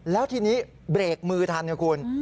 แล้วทีนี้เบรกมือทันนะคุณ